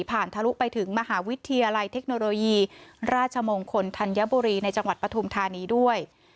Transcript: ทะลุไปถึงมหาวิทยาลัยเทคโนโลยีราชมงคลธัญบุรีในจังหวัดปฐุมธานีด้วย